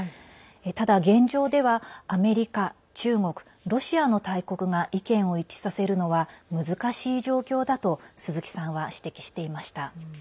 ただ現状ではアメリカ、中国ロシアの大国が意見を一致させるのは難しい状況だと鈴木さんは指摘していました。